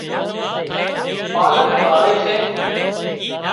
پالڪ واوي سي